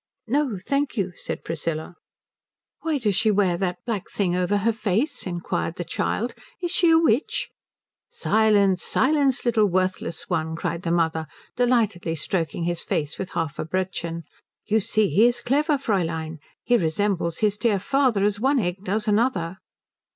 "No thank you," said Priscilla. "Why does she wear that black thing over her face?" inquired the child. "Is she a witch?" "Silence, silence, little worthless one," cried the mother, delightedly stroking his face with half a Brödchen. "You see he is clever, Fräulein. He resembles his dear father as one egg does another."